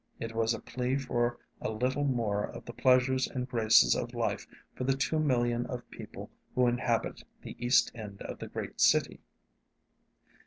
It was a plea for a little more of the pleasures and graces of life for the two million of people who inhabit the east end of the great city.